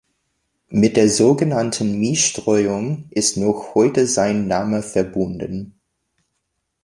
Mit der sogenannten Mie-Streuung ist noch heute sein Name verbunden.